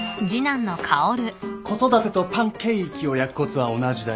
子育てとパンケーキを焼くコツは同じだよ。